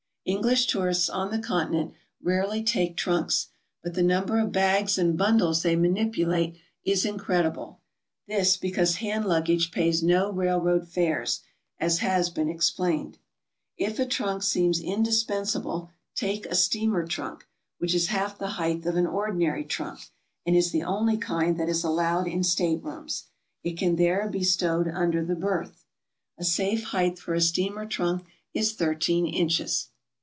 English tourists on the Continent rarely take trunks, but the number of bags and bundles they manipulate is in credible, — this because hand luggage pays no railroad fares, as has been explained. If a trunk seems indispensable, take a steamer trunk, which is half the height of an ordinary trunk, and is the only kind that is allowed in staterooms. It can there be stowed under the berth. A safe height for a steamer trunk is thirteen inches.